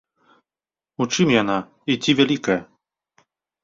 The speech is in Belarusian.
У чым яна і ці вялікая?